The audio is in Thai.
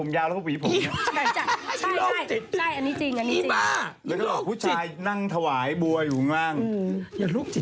ไม่แล้วเคยไปเค้าแต่งตัวเป็นนางพยา